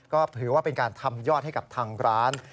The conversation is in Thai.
ก็ถือว่าเป็นการทำยอดให้กับทางร้าน